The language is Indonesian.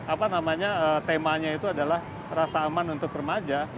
apa namanya temanya itu adalah rasa aman untuk remaja